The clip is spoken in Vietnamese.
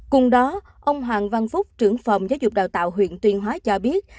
cùng đó ông hoàng văn phúc trưởng phòng giáo dục đào tạo huyện tuyên hóa cho biết